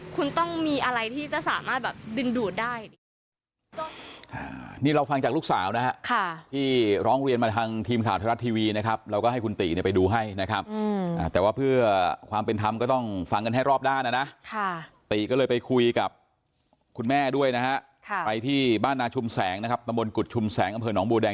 คุณต้องมีอะไรที่จะสามารถแบบดึงดูดได้